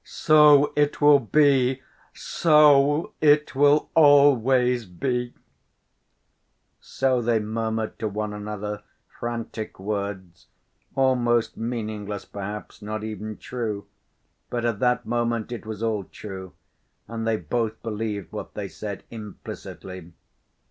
So it will be, so it will always be—" So they murmured to one another frantic words, almost meaningless, perhaps not even true, but at that moment it was all true, and they both believed what they said implicitly.